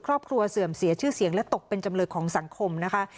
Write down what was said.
เสื่อมเสียชื่อเสียงและตกเป็นจำเลยของสังคมนะคะ